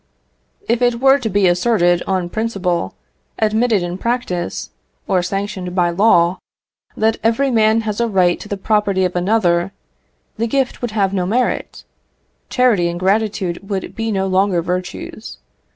If it were to be asserted on principle, admitted in practice, or sanctioned by law, that every man has a right to the property of another, the gift would have no merit charity and gratitude would be no longer virtues.